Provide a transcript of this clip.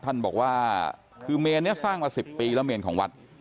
ท่านบอกว่าคือเมนนี้สร้างมา๑๐ปีแล้วเมนของวัด